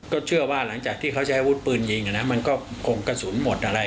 เชื่อว่าหลังจากที่เขาใช้อาวุธปืนยิงมันก็คงกระสุนหมดอะไร